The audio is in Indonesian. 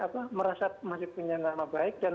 pasal pencemaran nama baik untuk